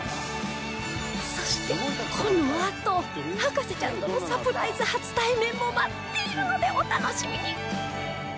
そしてこのあと博士ちゃんとのサプライズ初対面も待っているのでお楽しみに！